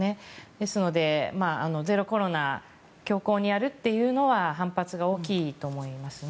ですので、ゼロコロナを強硬にやるというのは反発が大きいと思いますね。